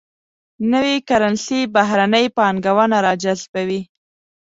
نوي کرنسي بهرنۍ پانګونه راجذبوي.